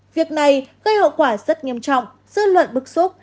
việc này gây hậu quả rất nghiêm trọng dư luận bức xúc